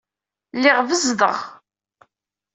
Lliɣ bezdeɣ.